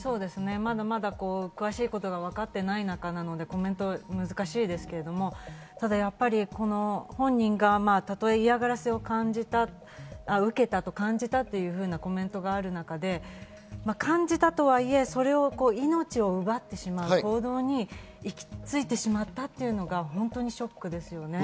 まだまだ詳しいことが分かっていない中なのでコメントは難しいですけど、本人がたとえ嫌がらせを受けたと感じたというコメントがある中で、感じたとはいえ、命を奪ってしまう行動に行きついてしまったというのが本当にショックですね。